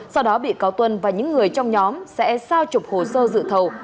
sau đó bị cáo tuân và những người trong nhóm sẽ sao trục hồ sơ dự thầu